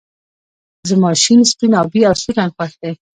زما شين سپين آبی او سور رنګ خوښ دي